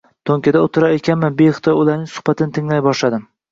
Toʻnkada oʻtirar ekanman, beixtiyor ularning suhbatini tinglay boshladim.